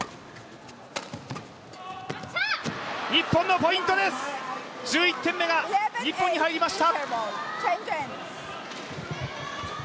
日本のポイントです、１１点目が日本に入りました。